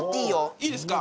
いいですか。